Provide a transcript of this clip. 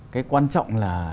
cái quan trọng là